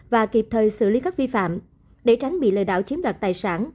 và kịp thời xử lý các vi phạm để tránh bị lời đạo chiếm đoạt tài sản